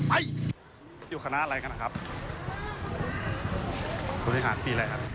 ไปอยู่ขนาดอะไรกันนะครับโทษทีค่ะปีไหนครับ